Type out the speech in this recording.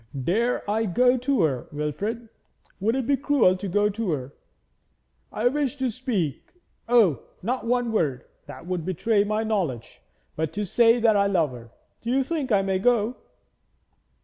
'Dare I go to her, Wilfrid? Would it be cruel to go to her? I wish to speak oh, not one word that would betray my knowledge, but to say that I love her. Do you think I may go?'